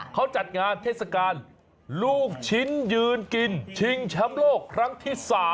เขาจัดงานเทศกาลลูกชิ้นยืนกินชิงแชมป์โลกครั้งที่๓